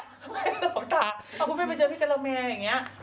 ไม่หลอกด่าพี่กะละแม่ไปเจอพี่กะละแม่อย่างนี้